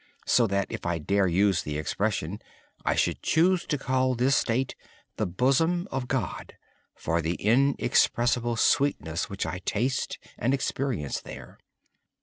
To choose an expression, I would call this state the bosom of God, for the inexpressible sweetness which I taste and experience there.